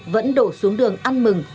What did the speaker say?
vẫn đổ xuống đường ăn mừng